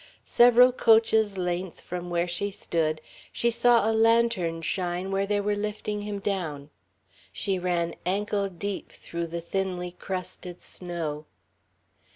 Several coaches' length from where she stood she saw a lantern shine where they were lifting him down. She ran ankle deep through the thinly crusted snow.